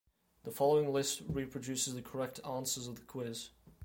The following list reproduces the correct answers of the quiz.